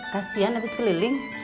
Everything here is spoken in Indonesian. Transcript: kasian habis keliling